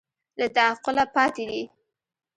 له تعقله پاتې دي